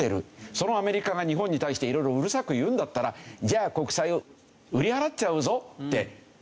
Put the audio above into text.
そのアメリカが日本に対して色々うるさく言うんだったらじゃあ国債を売り払っちゃうぞって言いたくなります